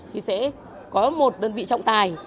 thì sẽ có một đơn vị trọng tài